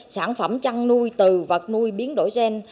sản phẩm chăn nuôi từ vật nuôi biến đổi gen